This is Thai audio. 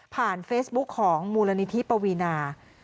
ผ่านเฟสบุ๊คของมูลณิธิปวีนา